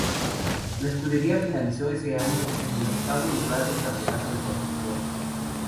La escudería finalizó ese año en el octavo lugar del campeonato de constructores.